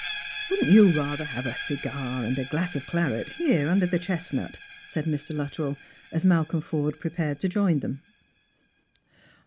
" Wouldn't you rather have a cigar and a glass of claret here, under the chestnut?" said Mr. Luttrell, as Malcolm Fortfe prepared to join them.